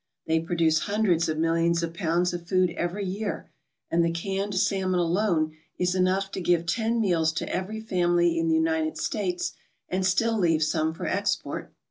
They produce hundreds of millions of pounds of food every year, and the canned salmon alone is enough to give ten meals to every family in the United States and still leave some for export.